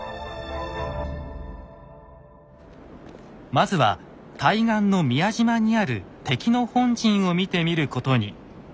まずは対岸の宮島にある敵の本陣を見てみることに。